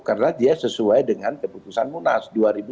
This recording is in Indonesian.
karena dia sesuai dengan keputusan munas dua ribu sembilan belas